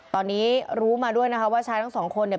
ตอนนี้รู้มาด้วยนะคะว่าชายทั้งสองคนเนี่ย